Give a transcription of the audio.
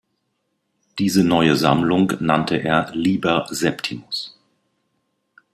Diese neue Sammlung nannte er Liber Septimus.